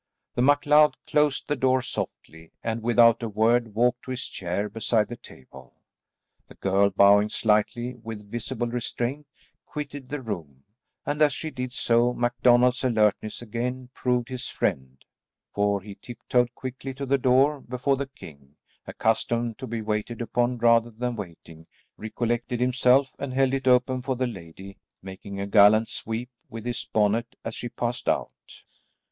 The MacLeod closed the door softly, and, without a word, walked to his chair beside the table. The girl, bowing slightly, with visible restraint, quitted the room, and, as she did so, MacDonald's alertness again proved his friend, for he tip toed quickly to the door, before the king, accustomed to be waited upon rather than waiting, recollected himself; and held it open for the lady, making a gallant sweep with his bonnet as she passed out.